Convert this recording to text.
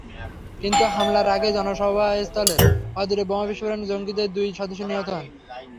কিন্তু হামলার আগেই জনসভাস্থলের অদূরে বোমা বিস্ফোরণে জঙ্গিদের দুই সদস্য নিহত হন।